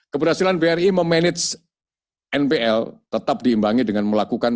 keberhasilan bri memanage npl tetap diimbangi dengan melakukan